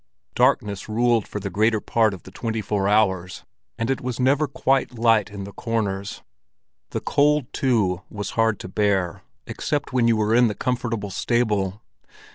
Darkness ruled for the greater part of the twenty four hours, and it was never quite light in the corners. The cold, too, was hard to bear, except when you were in the comfortable stable.